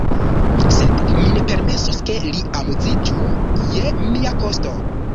Sed mi ne permesos, ke li amuziĝu je mia kosto!